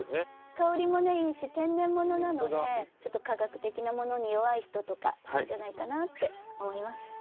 香りもいいし天然ものなのでちょっと化学的なものに弱い人とかいいんじゃないかなって思います。